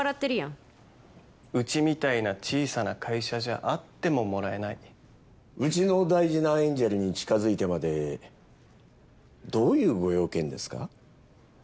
うちみたいな小さな会社じゃ会ってももらえないうちの大事なエンジェルに近づいてまでどういうご用件ですか？